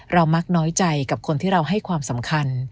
มักน้อยใจกับคนที่เราให้ความสำคัญ